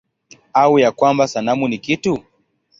Au ya kwamba sanamu ni kitu?